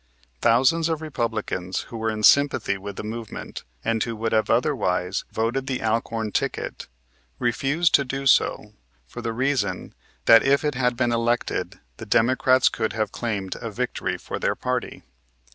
Thousands of Republicans who were in sympathy with the movement, and who would have otherwise voted the Alcorn ticket, refused to do so for the reason that if it had been elected the Democrats could have claimed a victory for their party.